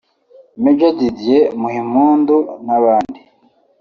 Major Didier Muhimpundu n’abandi